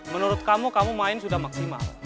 menurut kamu kamu main sudah maksimal